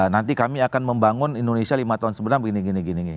nanti kami akan membangun indonesia lima tahun sebelumnya begini begini begini